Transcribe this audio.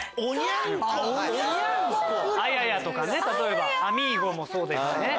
あややとかね例えばあみゴもそうですしね。